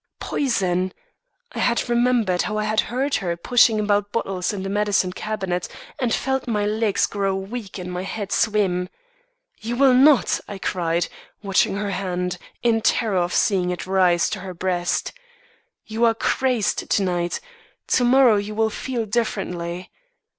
"Poison! I remembered how I had heard her pushing about bottles in the medicine cabinet, and felt my legs grow weak and my head swim. 'You will not!' I cried, watching her hand, in terror of seeing it rise to her breast. 'You are crazed to night; to morrow you will feel differently.